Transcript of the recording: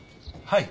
はい。